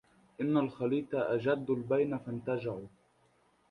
إن الخليط أجد البين فانتجعوا